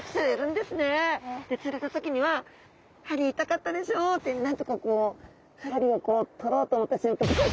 で釣れた時には「針痛かったでしょ」ってなんとか針を取ろうと思った瞬間